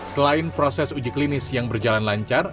selain proses uji klinis yang berjalan lancar